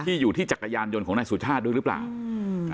อยู่ที่จักรยานยนต์ของนายสุชาติด้วยหรือเปล่าอืม